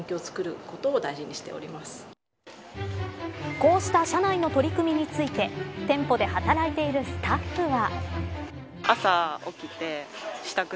こうした社内の取り組みについて店舗で働いているスタッフは。